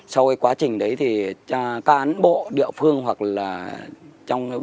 sau quá trình đấy thì các án bộ địa phương hoặc là trong ban công tác